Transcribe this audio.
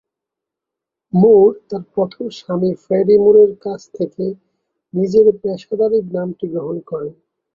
মুর তার প্রথম স্বামী ফ্রেডি মুরের কাছ থেকে নিজের পেশাদারী নামটি গ্রহণ করেন।